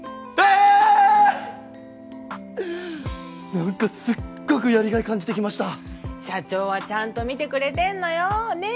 何かすっごくやりがい感じてきました社長はちゃんと見てくれてんのよねえ